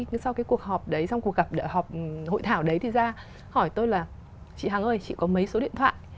nhưng sau cái cuộc họp đấy sau cuộc gặp họp hội thảo đấy thì ra hỏi tôi là chị hằng ơi chị có mấy số điện thoại